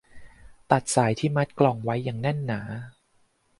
ตัดสายที่มัดกล่องไว้อย่างแน่นหนา